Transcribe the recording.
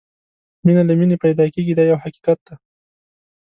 مینه له مینې پیدا کېږي دا یو حقیقت دی.